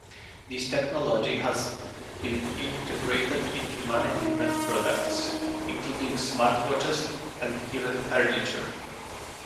This technology has been integrated into many different products, including smartwatches and even furniture.